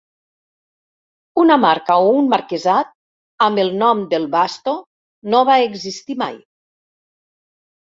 Una marca o un marquesat amb el nom del Vasto no va existir mai.